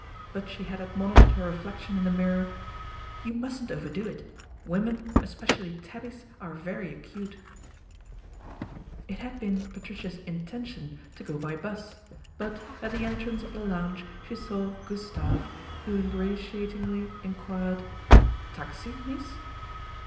But she had admonished her reflection in the mirror, " You mustn't overdo it. Women, es pecially tabbies, are very acute." 30 PATRICIA BRENT, SPINSTER It had been Patricia's intention to go by bus but at the entrance of the lounge she saw Gustave who ingratiatingly enquired, " Taxi, mees